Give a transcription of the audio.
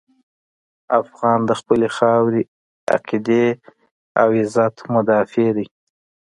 افغان د خپلې خاورې، عقیدې او عزت مدافع دی.